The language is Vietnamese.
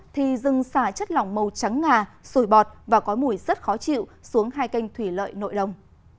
thì rừng xả chất lỏng màu trắng ngà sủi bọt và có mùi rất khó chịu xuống hai kênh thủy lợi nội đông